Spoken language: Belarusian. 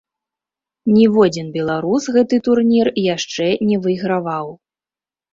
Ніводзін беларус гэты турнір яшчэ не выйграваў.